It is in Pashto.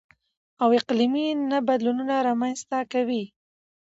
او اقلـيمي نه بـدلونـونه رامـنځتـه کوي.